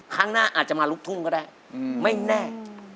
ครั้งหน้าอาจจะมาลุกทุ่งก็ได้ไม่แน่